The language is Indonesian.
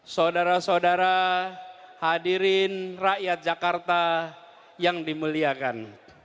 saudara saudara hadirin rakyat jakarta yang dimuliakan